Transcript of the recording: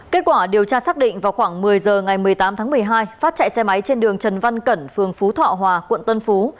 kết quả điều tra xác định vào khoảng một mươi h ngày một mươi tám tháng một mươi hai phát chạy xe máy trên đường trần văn cẩn phường phú thọ hòa quận tân phú